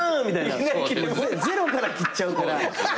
ゼロからきっちゃうから。